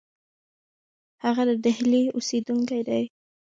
هغه د ډهلي اوسېدونکی دی.